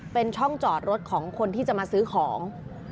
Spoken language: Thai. เป็นช่องจอดรถของคนที่จะมาซื้อของ